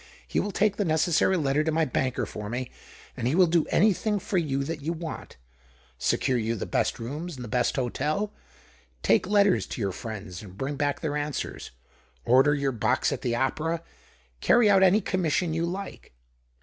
He will take the necessary letter to my banker for me, and he will do anything for you that you want — secure you the best rooms in the best hotel, take letters to your friends and bring back their answers, order your box at the opera, carry out any com mission you like."